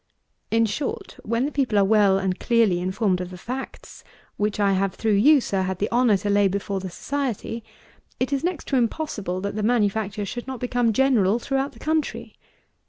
In short when the people are well and clearly informed of the facts, which I have through you, Sir, had the honour to lay before the Society, it is next to impossible that the manufacture should not become general throughout the country.